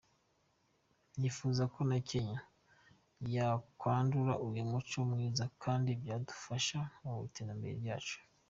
Nifuza ko na Kenya yakwandura uyu muco mwiza kandi byadufasha mu iterambere ryacu”.